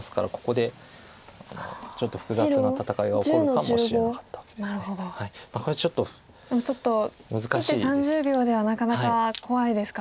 でもちょっと１手３０秒ではなかなか怖いですか。